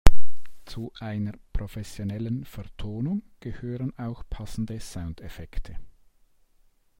Zu einer professionellen Vertonung gehören auch passende Soundeffekte.